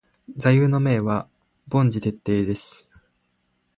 座右の銘は凡事徹底です。